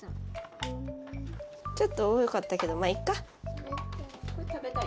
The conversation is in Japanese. ちょっと多かったけどまあいっか。